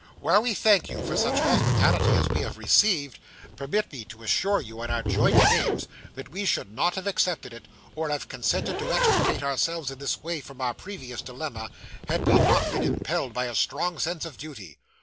While we thank you for such hospitality as we have received, permit me to assure you, in our joint names, that we should not have accepted it, or have consented to extricate ourselves in this way, from our previous dilemma, had we not been impelled by a strong sense of duty.